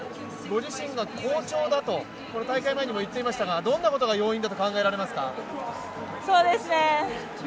ご自身が好調だと大会前に言っていましたがどんなことが要因だと考えられますか？